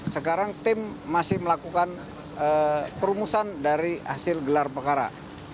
sekarang tim masih melakukan perumusan dari hasil gelar perkara